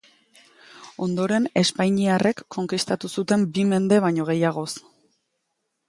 Ondoren espainiarrek konkistatu zuten bi mende baino gehiagoz.